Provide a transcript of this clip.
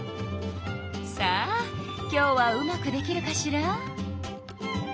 さあ今日はうまくできるかしら？